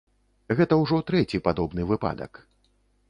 Гэта ўжо трэці падобны выпадак.